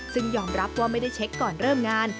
ซึ่งยอมรับว่าไม่ได้เช็คก่อนเริ่มงาน